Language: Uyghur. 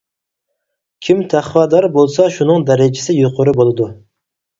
كىم تەقۋادار بولسا شۇنىڭ دەرىجىسى يۇقىرى بولىدۇ.